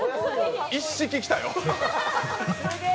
一式、来たよ。